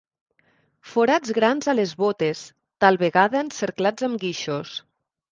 Forats grans a les bótes, tal vegada encerclats amb guixos.